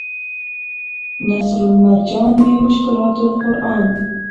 نصرالمرجان من مشکلات القرآن